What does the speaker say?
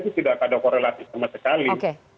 itu tidak ada korelatif sama sekali oke